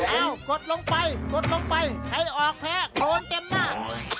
กดลงไปกดลงไปใครออกแพ้โดนเต็มหน้า